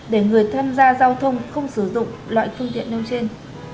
để người tham gia giao thông không sử dụng loại phương tiện nêu trên